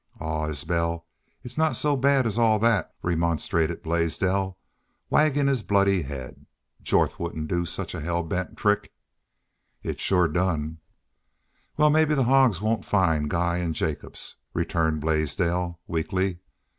"Aw, Isbel, it's not so bad as all that," remonstrated Blaisdell, wagging his bloody head. "Jorth wouldn't do such a hell bent trick." "It's shore done." "Wal, mebbe the hogs won't find Guy an' Jacobs," returned Blaisdell, weakly.